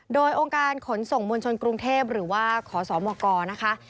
โดยองค์การขนส่งมวลชนกรุงเทพหรือว่าขอสมกนะคะ